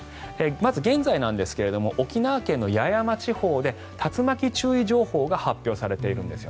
まず現在ですが沖縄県の八重山地方で竜巻注意情報が発表されているんです。